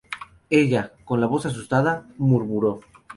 ella, con la voz asustada, murmuró: